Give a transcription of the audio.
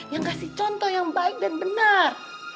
yang kasih contoh yang baik dan benar